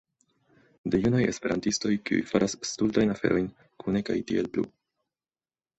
De junaj Esperantistoj kiu faras stultajn aferojn kune kaj tiel plu